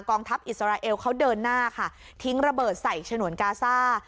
ทัพอิสราเอลเขาเดินหน้าค่ะทิ้งระเบิดใส่ฉนวนกาซ่า